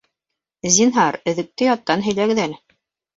Зинһар, өҙөктө яттан һөйләгеҙ әле